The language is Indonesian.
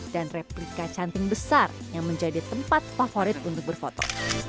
dan replika cantik besar yang menjadi tempat favorit untuk berfoto